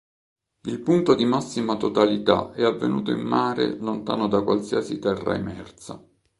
Il punto di massima totalità è avvenuto in mare lontano da qualsiasi terra emersa.